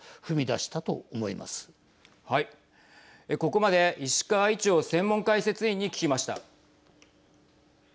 ここまで石川一洋専門解説委員に聞きました。